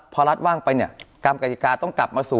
พอรัฐว่างไปเนี่ยกรรมกฎิกาต้องกลับมาสู่